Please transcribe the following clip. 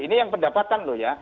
ini yang pendapatan loh ya